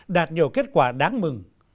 đạt nhiều kết quả đáng mừng